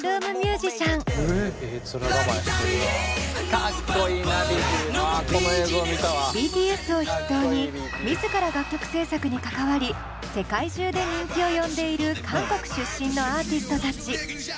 今回はＢＴＳを筆頭に自ら楽曲制作に関わり世界中で人気を呼んでいる韓国出身のアーティストたち。